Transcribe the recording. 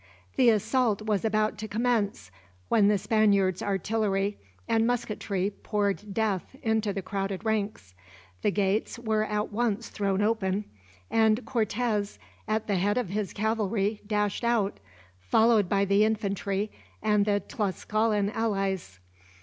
The assault was about to commence, when the Spaniards' artillery and musketry poured death into the crowded ranks. The gates were at once thrown open, and Cortez at the head of his cavalry dashed out, followed by the infantry and the Tlascalan allies.